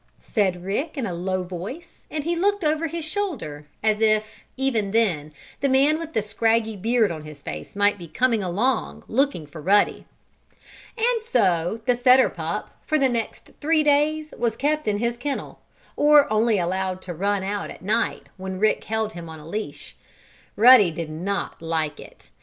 said Rick in a low voice, and he looked over his shoulder as if, even then, the man with the scraggy beard on his face might be coming along, looking for Ruddy. And so the setter pup, for the next three days, was kept in his kennel, or only allowed to run out at night when Rick held him on a leash. Ruddy did not like it.